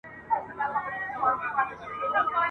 کوهيان د انګرېزانو په لاس کي ول.